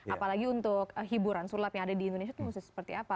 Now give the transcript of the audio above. apalagi untuk hiburan sulap yang ada di indonesia itu khususnya seperti apa